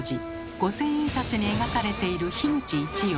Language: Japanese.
五千円札に描かれている口一葉。